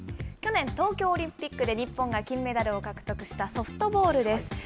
去年、東京オリンピックで日本が金メダルを獲得したソフトボールです。